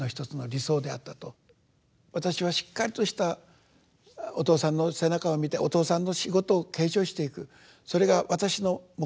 私はしっかりとしたお父さんの背中を見てお父さんの仕事を継承していくそれが私の目標ですと。